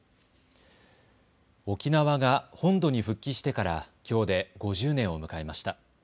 沖縄が本土に復帰してからきょうで５０年を迎えました。